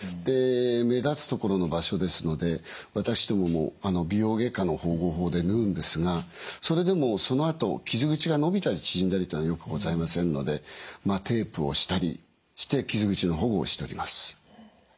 目立つところの場所ですので私どもも美容外科の縫合法で縫うんですがそのあと傷口が伸びたり縮んだりというのはよくございませんのでテープをしたりして傷口の保護をしております。